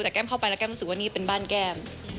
แต่แก้มเข้าไปแล้วแก้มรู้สึกว่านี่เป็นบ้านแก้ม